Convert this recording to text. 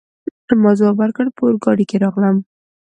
ما ځواب ورکړ: په اورګاډي کي راغلم.